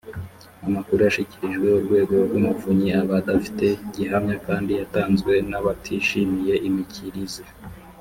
amakuru yashyikirijwe urwego rw umuvunyi aba adafite gihamya kandi yatanzwe n abatishimiye imikirize